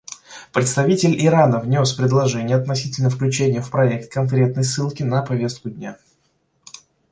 Представитель Ирана внес предложение относительно включения в проект конкретной ссылки на повестку дня.